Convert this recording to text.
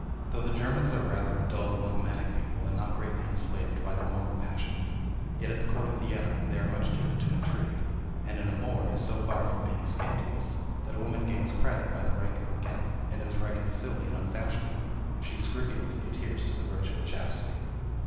Though the Germans are rather a dull and phlegmatic people, and not greatly enslaved by the warmer passions, yet at the court of Vienna they are much given to intrigue: and an amour is so far from being scandalous, that a woman gains credit by the rank of her gallant, and is reckoned silly and unfashionable if she scrupulously adheres to the virtue of chastity.